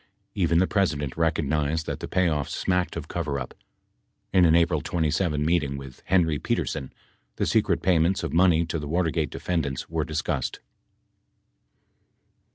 Even the President recognized that the payoffs smacked of coverup. In an April 27 meet ing with Henry Petersen, the secret payments of money to the Water gate defendants were discussed : HP.